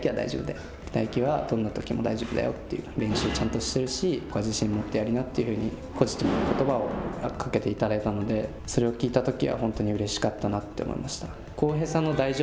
大輝はどんな時も大丈夫だよっていう、練習ちゃんとしてるし、そこは自信持ってやりなっていうふうに、ポジティブなことばをかけていただいたので、それを聞いたとき。